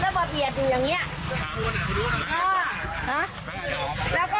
ลูกนี้ลูกนี้ทานแบบนี้เขาเนี่ยว่าเห็นระบบเศียบถูกอย่างงี้